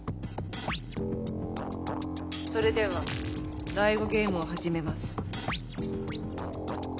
それでは第５ゲームを始めます。